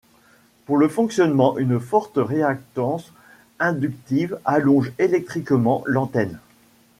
Pour le fonctionnement, une forte réactance inductive allonge électriquement l'antenne.